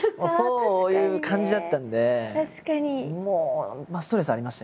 そういう感じだったんでもうストレスありましたよ。